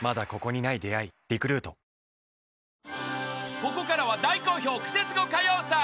［ここからは大好評クセスゴ歌謡祭］